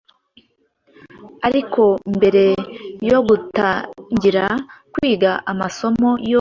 Ariko mbere yo gutangira kwiga amasomo yo hejuru,